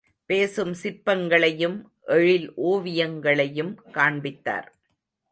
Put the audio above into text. பேசும் சிற்பங்களையும், எழில் ஓவியங்களையும் காண்பித்தார்.